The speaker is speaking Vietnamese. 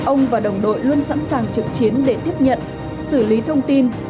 ông và đồng đội luôn sẵn sàng trực chiến để tiếp nhận xử lý thông tin